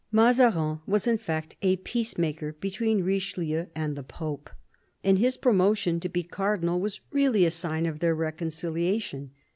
Mazarin was in fact a peacemaker between Richelieu and the Pope, and his promotion to be Cardinal was really a sign of their reconciliation.